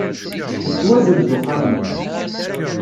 Yettwasenz uxxam-nni.